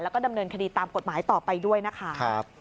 แล้วก็ดำเนินคดีตามกฎหมายต่อไปด้วยนะคะ